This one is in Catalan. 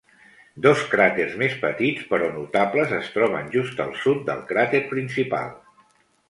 Dos cràters més petits però notables es troben just al sud del cràter principal.